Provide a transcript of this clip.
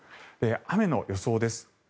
雨の予想です。